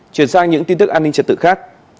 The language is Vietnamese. chuyển sang những tin tức an ninh trật tự khác